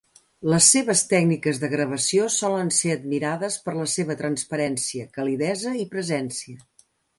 Les seves tècniques de gravació solen ser admirades per la seva transparència, calidesa i presència.